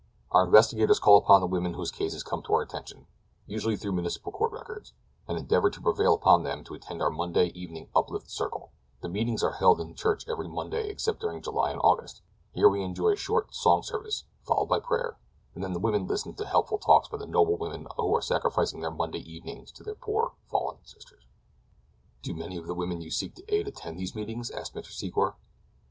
"Our investigators call upon the women whose cases come to our attention—usually through Municipal Court records—and endeavor to prevail upon them to attend our Monday evening Uplift Circle. The meetings are held in the church every Monday except during July and August. Here we enjoy a short song service, followed by prayer, and then the women listen to helpful talks by the noble women who are sacrificing their Monday evenings to their poor, fallen sisters." "Do many of the women you seek to aid attend these meetings?" asked Mr. Secor.